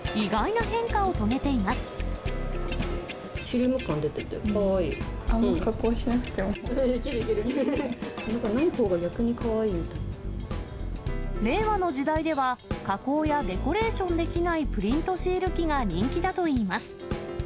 ないほうが逆にかわいいみた令和の時代では、加工やデコレーションできないプリントシール機が人気だといいます。